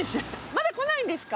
まだ来ないんですか？